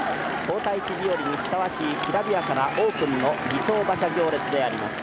皇太子日和にふさわしいきらびやかなオープンの儀装馬車行列であります」。